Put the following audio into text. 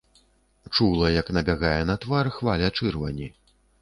Чула, як набягае на твар хваля чырвані.